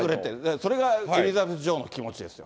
それがエリザベス女王の気持ちですよ。